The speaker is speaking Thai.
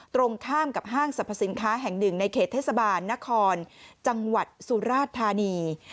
ตรงข้ามกับห้างสรรพสินค้าแห่งหนึ่งในเขตเทศบาลนครจังหวัดสุราธานี